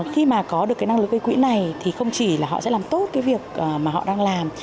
khi mà có được cái năng lực gây quỹ này thì không chỉ là họ sẽ làm tốt cái việc mà họ đang làm